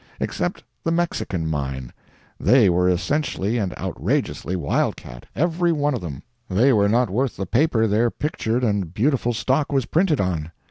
Except the Mexican mine, they were essentially and outrageously wild cat, every one of them! They were not worth the paper their pictured and beautiful stock was printed on.